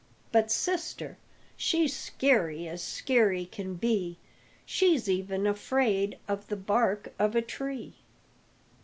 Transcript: But sister, she's skeery as skeery can be, She's even afraid of the bark of a tree.